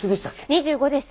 ２５です。